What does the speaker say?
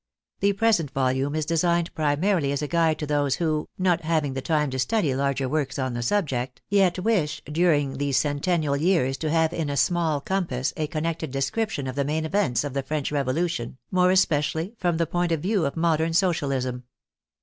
The present volume is designed primarily as a guide to those who, not having the time to study larger works on the subject, yet wish during these centennial years to have in a small compass a con nected description of the main events of the French Revolution, more especially from the point of view of modern Socialism.